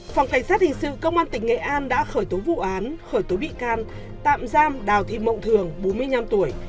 phòng cảnh sát hình sự công an tỉnh nghệ an đã khởi tố vụ án khởi tố bị can tạm giam đào thị mộng thường bốn mươi năm tuổi